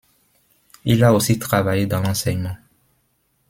Il a aussi travaillé dans l'enseignement.